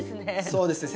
そうですね。